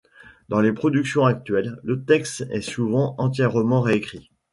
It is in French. Dans les productions actuelles, le texte est souvent entièrement réécrit.